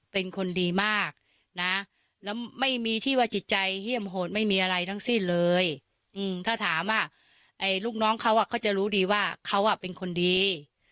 เป็นคนดีมากนะแล้วไม่มีที่ว่าจิตใจเฮี่ยมโหดไม่มีอะไรทั้งสิ้นเลยถ้าถามว่าไอ้ลูกน้องเขาก็จะรู้ดีว่าเขาเป็นคนดี